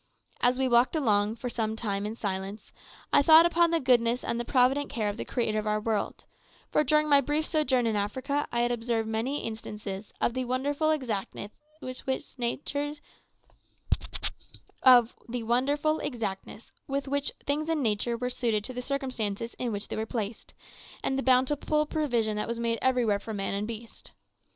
As we walked along for some time in silence, I thought upon the goodness and the provident care of the Creator of our world; for during my brief sojourn in Africa I had observed many instances of the wonderful exactness with which things in nature were suited to the circumstances in which they were placed, and the bountiful provision that was made everywhere for man and beast.